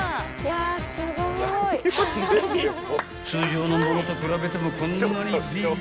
［通常のものと比べてもこんなにビッグ］